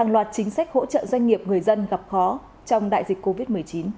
loạt chính sách hỗ trợ doanh nghiệp người dân gặp khó trong đại dịch covid một mươi chín